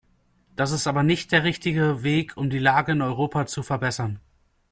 Das ist aber nicht der richtige Weg, um die Lage in Europa zu verbessern.